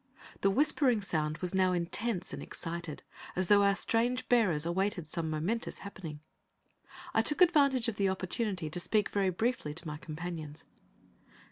The whispering sound now was intense and excited, as though our strange bearers awaited some momentous happening. I took advantage of the opportunity to speak very briefly to my companions.